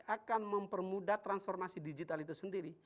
akan mempermudah transformasi digital itu sendiri